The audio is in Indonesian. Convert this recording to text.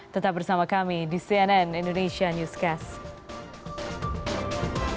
tetap bersama kami di cnn indonesia newscast